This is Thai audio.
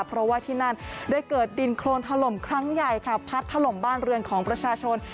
เพราะว่าที่นั่นได้เกิดดินโครนถล่มครั้งใหญ่ค่ะพัดถล่มบ้านเรือนของประชาชน